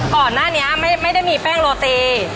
ก่อนหน้านี้ไม่ได้มีแป้งโรตี